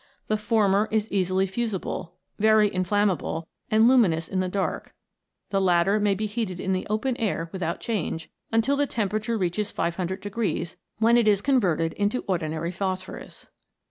The former is easily fusible, very inflammable, and luminous in the dark ; the latter may be heated in the open air without change, until the temperature reaches 500, when it is converted into ordinary phosphorus.